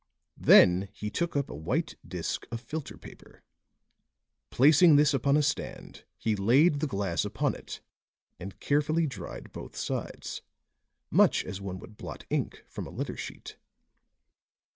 Then he took up a white disc of filter paper; placing this upon a stand he laid the glass upon it and carefully dried both sides, much as one would blot ink from a letter sheet.